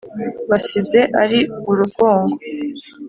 basize ari urugongo,